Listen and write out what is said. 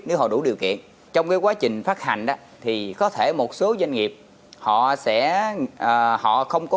nếu họ đủ điều kiện trong cái quá trình phát hành thì có thể một số doanh nghiệp họ sẽ họ không có